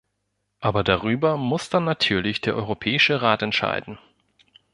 Aber darüber muss dann natürlich der Europäische Rat entscheiden.